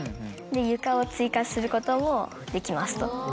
床を追加することもできます。